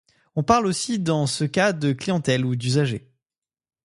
On parle aussi dans ce cas de clientèle ou d'usagers.